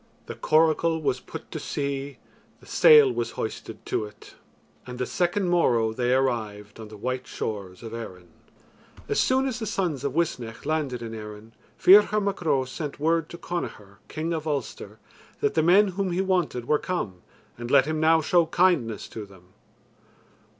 The coracle was put to sea, The sail was hoisted to it; And the second morrow they arrived On the white shores of Erin. As soon as the sons of Uisnech landed in Erin, Ferchar Mac Ro sent word to Connachar, king of Ulster, that the men whom he wanted were come, and let him now show kindness to them.